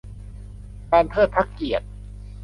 การเทิดพระเกียรติ